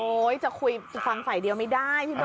จะคุยฟังฝ่ายเดียวไม่ได้พี่เบิ